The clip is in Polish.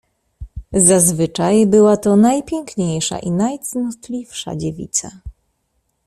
"Zazwyczaj była to najpiękniejsza i najcnotliwsza dziewica."